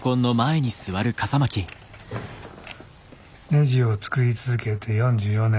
「ネジを作り続けて４４年。